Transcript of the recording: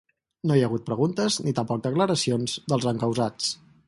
No hi ha hagut preguntes ni tampoc declaracions dels encausats.